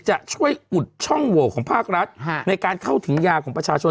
จะช่วยอุดช่องโหวของภาครัฐในการเข้าถึงยาของประชาชน